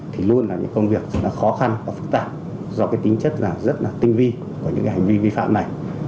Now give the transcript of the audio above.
thì luôn là những công việc khó khăn và phức tạp do tính chất rất là tinh vi của những hành vi vi phạm này